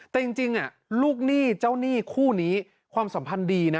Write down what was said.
แต่จริงลูกหนี้เจ้าหนี้คู่นี้ความสัมพันธ์ดีนะ